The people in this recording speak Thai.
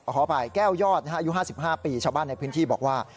ขออภัยแก้วยอดอายุ๕๕ปีชาวบ้านในพื้นที่บอกว่า